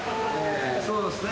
そうっすね。